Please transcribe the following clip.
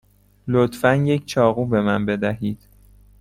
لطفا یک چاقو به من بدهید.